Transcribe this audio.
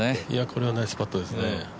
これはナイスパットですね。